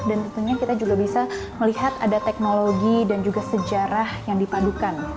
dan tentunya kita juga bisa melihat ada teknologi dan juga sejarah yang dipadukan